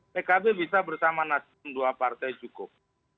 pkb bisa bersama nasdem dua partai cukup